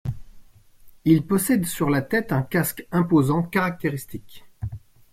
Il possède sur la tête un casque imposant caractéristique.